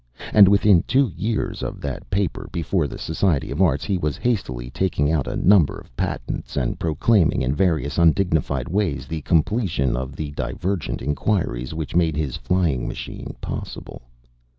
And within two years of that paper before the Society of Arts he was hastily taking out a number of patents and proclaiming in various undignified ways the completion of the divergent inquiries which made his flying machine possible.